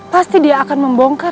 pasti dia akan membongkar